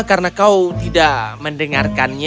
karena kau tidak mendengarkannya